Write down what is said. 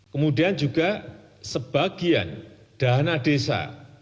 kemudian juga sebagian dana desa